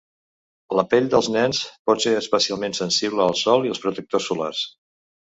La pell dels nens pot ser especialment sensible al sol i als protectors solars.